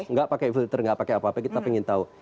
nggak pakai filter nggak pakai apa apa kita pengen tahu